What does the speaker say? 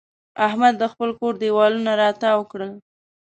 احمد د خپل کور دېوالونه را تاوو کړل.